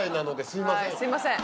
すいません